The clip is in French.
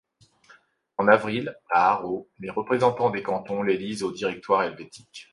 En avril, à Aarau, les représentants des cantons l'élisent au Directoire helvétique.